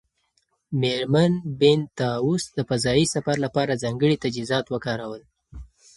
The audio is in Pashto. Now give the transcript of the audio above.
مېرمن بینتهاوس د فضایي سفر لپاره ځانګړي تجهیزات وکارول.